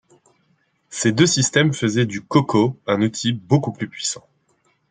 Ces deux systèmes faisaient du CoCo un outil beaucoup plus puissant.